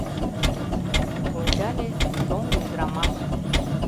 Ончале — шоҥго ӱдырамаш.